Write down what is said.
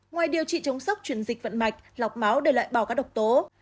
ba ngoài điều trị chống sốc chuyển dịch vận mạch lọc máu để loại bỏ các độc tố